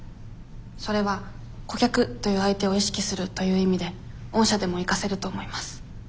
それは顧客という相手を意識するという意味で御社でも生かせると思います。